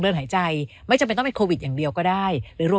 หายใจไม่จำเป็นต้องเป็นโควิดอย่างเดียวก็ได้หรือรวม